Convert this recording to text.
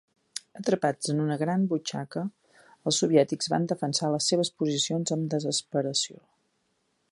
Atrapats en una gran butxaca, els soviètics van defensar les seves posicions amb desesperació.